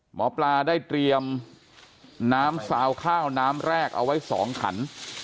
หมอปลาได้เตรียมน้ำซาวข้าวน้ำแรกเอาไว้๒ขัน